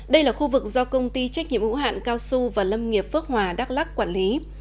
đây là khu vực do công ty trách nhiệm hữu hạn cao su và lâm nghiệp phước hòa đắk lắc quản lý